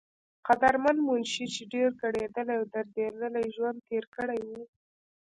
قدرمند منشي، چې ډېر کړېدلے او درديدلے ژوند تير کړے وو